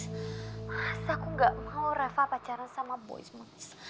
mas aku gak mau reva pacaran sama boys mas